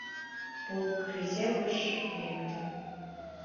Полк резервыш лектын.